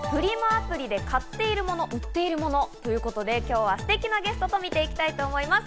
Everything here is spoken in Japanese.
アプリで買っているもの、売っているもの、ということで、今日はステキなゲストと見ていきたいと思います。